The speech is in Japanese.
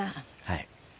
はい。